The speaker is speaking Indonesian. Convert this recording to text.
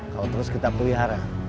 kalo terus kita perihara